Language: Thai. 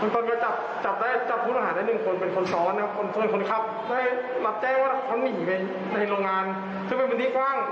ก็เดี๋ยวจะตอบหมายติดตามต่อไป